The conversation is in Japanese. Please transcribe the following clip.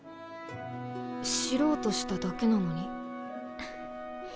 知ろうとしただけなのに？